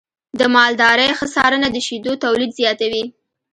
د مالدارۍ ښه څارنه د شیدو تولید زیاتوي.